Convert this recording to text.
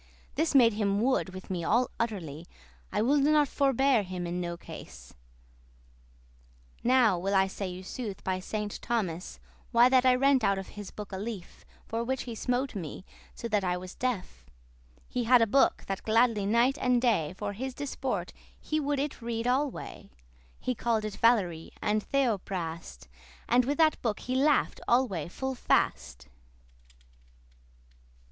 This made him wood* with me all utterly; *furious I woulde not forbear* him in no case. *endure Now will I say you sooth, by Saint Thomas, Why that I rent out of his book a leaf, For which he smote me, so that I was deaf. He had a book, that gladly night and day For his disport he would it read alway; He call'd it Valerie,<28> and Theophrast, And with that book he laugh'd alway full fast.